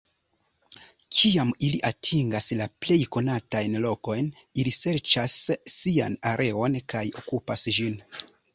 Kiam ili atingas la plej konatajn lokojn, ili serĉas sian areon kaj okupas ĝin.